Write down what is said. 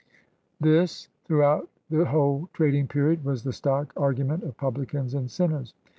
This, throughout the whole trading period, was the stock argument of publicans and sinners.